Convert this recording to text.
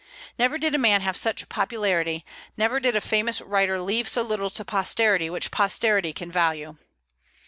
Never did a man have such popularity; never did a famous writer leave so little to posterity which posterity can value.